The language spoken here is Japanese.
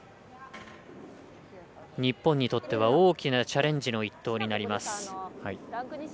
日本にとっては大きなチャレンジの１投になります。